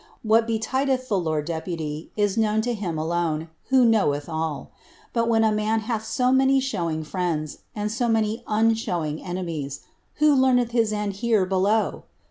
What beiideth the lord depuly, is known to Him only, who knoweih all; but when a man hath so many showing friends, and so many unshoicing enemies, w\\o \e»Tt\et.h his end here below